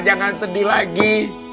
jangan sedih lagi